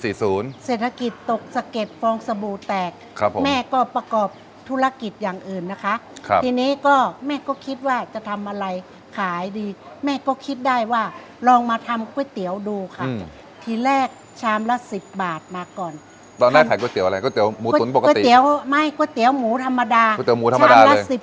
ศูนย์เศรษฐกิจตกสะเก็ดฟองสบู่แตกครับผมแม่ก็ประกอบธุรกิจอย่างอื่นนะคะครับทีนี้ก็แม่ก็คิดว่าจะทำอะไรขายดีแม่ก็คิดได้ว่าลองมาทำก๋วยเตี๋ยวดูค่ะอืมทีแรกชามละสิบบาทมาก่อนแล้วน่าขายก๋วยเตี๋ยวอะไรก๋วยเตี๋ยวหมูตุ๋นปกติก๋วยเตี๋ยวไม่ก๋วยเตี๋ยวหมูธรรมด